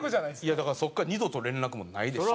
いやだからそこから二度と連絡もないですし。